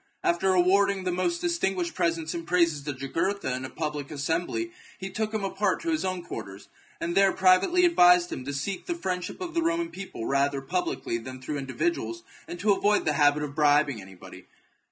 After awarding the most distinguished presents and praises to Jugurtha in a public assembly, he took him apart to his own quarters, and there privately advised him to seek the friendship of the Roman people rather THK JUGURTHINE WAR. 1 29 publicly than through individuals, and to avoid the chap. habit of bribing anybody.